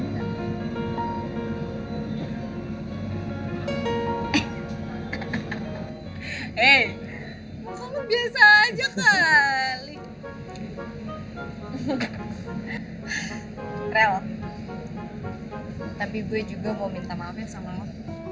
rel tapi gue juga mau minta maafnya sama lo